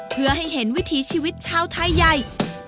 เพื่อให้เห็นวิถีชีวิตชาวไทยใหญ่